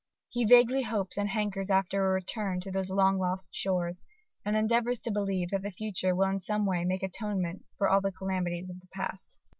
He vaguely hopes and hankers after a return to those long lost shores: and endeavours to believe that the future will in some way make atonement for all the calamities of the past.